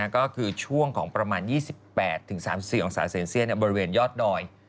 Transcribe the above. ก็คือช่วงของประมาณ๒๘๓๔องศาเซลเซียตบริเวณยอดดอย